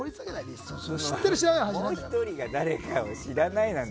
もう１人が誰かを知らないなんて